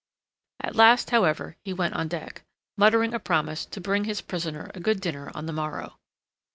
At last, however, he went on deck, muttering a promise to bring his prisoner a good dinner on the morrow.